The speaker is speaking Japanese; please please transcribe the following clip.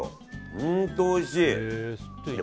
本当おいしい。